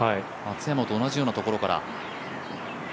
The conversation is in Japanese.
松山と同じようなところから。